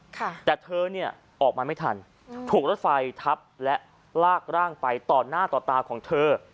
ค่ะแต่เธอเนี่ยออกมาไม่ทันถูกรถไฟทับและลากร่างไปต่อหน้าต่อตาของเธอ